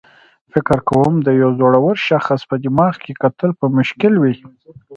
فکر کوم د یو زړور شخص په دماغ کې کتل به مشکل وي.